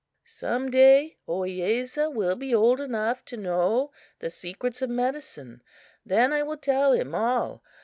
"Some day Ohiyesa will be old enough to know the secrets of medicine; then I will tell him all.